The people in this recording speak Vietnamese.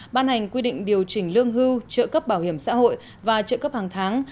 ban hành quy định điều chỉnh lương hưu trợ cấp bảo hiểm xã hội và trợ cấp hàng tháng